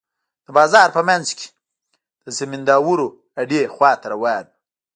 د بازار په منځ کښې د زمينداورو اډې خوا ته روان وم.